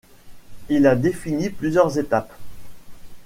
Il a défini plusieurs étapes.